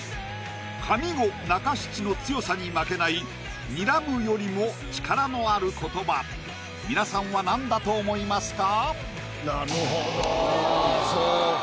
上五中七の強さに負けない「睨む」よりも力のある言葉皆さんは何だと思いますか？